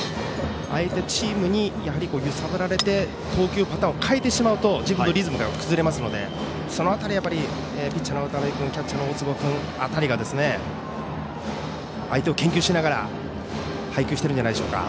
相手チームに揺さぶられて投球パターンを変えてしまうと自分のリズムが崩れますのでその辺りはピッチャーの渡辺君キャッチャーの大坪君辺りが相手を研究しながら配球しているんじゃないでしょうか。